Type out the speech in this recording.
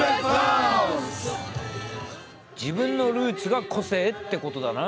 自分のルーツが個性ってことだな。